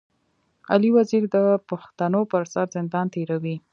علي وزير د پښتنو پر سر زندان تېروي.